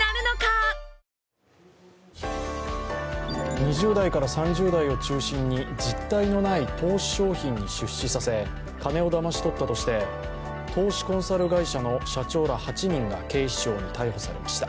２０代から３０代を中心に実体のない投資商品に出資させ、金をだまし取ったとして、投資コンサル会社の社長ら８人が警視庁に逮捕されました。